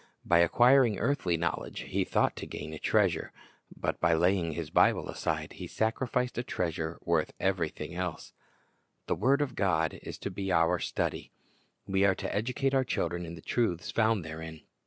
By acquiring earthly knowledge he thought to gain a treasure; but by laying his Bible aside, he sacri ficed a treasure worth everything else. SEARCH FOR THE TREASURE The word of God is to be our study. We are to educate our children in the truths found therein.